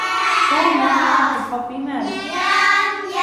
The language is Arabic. توم وقع في حب ماري